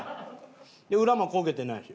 裏も焦げてないし。